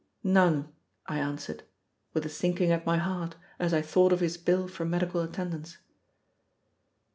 "None," I answered, with a sinking at my heart as I thought of his bill for medical attendance.